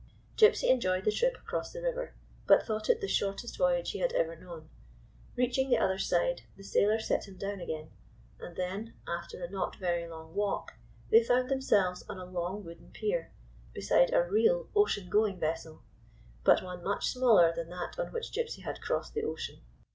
Gypsy enjoyed the trip across the river, but thought it the shortest voyage he had ever known. Reaching the other side, the sailor set him down again, and then, after a not very long walk, they found themselves on a long wooden pier beside a real ocean going vessel, but one much smaller than that on which Gypsy had crossed the ocean.